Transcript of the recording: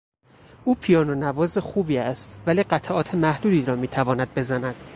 او پیانو نواز خوبی است ولی قطعات محدودی را میتواند بزند.